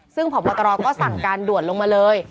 ซึ่งผอบตรก็สั่งการด่วนลงมาเลย